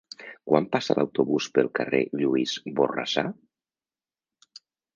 Quan passa l'autobús pel carrer Lluís Borrassà?